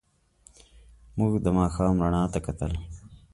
موږ د ماښام رڼا ته کتل.